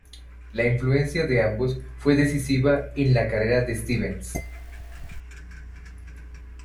La influencia de ambos fue decisiva en la carrera de Stevens.